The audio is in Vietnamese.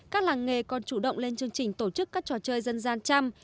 các làng nghề còn chủ động lên chương trình tổ chức các trò chơi dân gian chăm